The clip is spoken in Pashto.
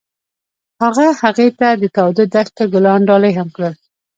هغه هغې ته د تاوده دښته ګلان ډالۍ هم کړل.